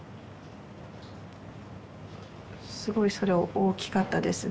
すごいそれを大きかったですね。